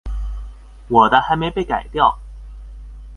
我的還沒被改掉